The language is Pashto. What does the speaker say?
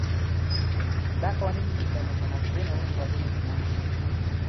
دا قوانین د متمدنو هېوادونو ترمنځ موجود دي.